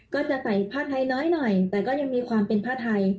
ก็จะใส่ผ้าไทยน้อยหน่อยแต่ก็ยังมีความเป็นผ้าไทย